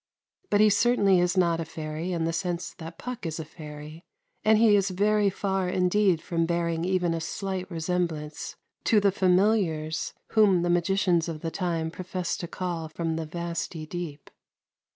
But he certainly is not a fairy in the sense that Puck is a fairy; and he is very far indeed from bearing even a slight resemblance to the familiars whom the magicians of the time professed to call from the vasty deep.